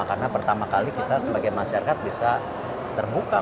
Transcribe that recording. karena pertama kali kita sebagai masyarakat bisa terbuka